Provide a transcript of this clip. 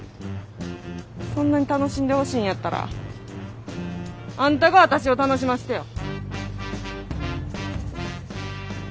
そんなに楽しんでほしいんやったらあんたが私を楽しませてよ。は？